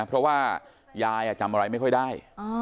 เพราะว่ายายจำอะไรไม่ค่อยได้